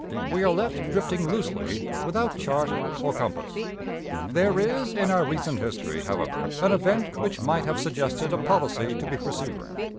We are left drifting loosely, without chart or compass. There is in our recent history, however, an event which might have suggested a policy to be pursued.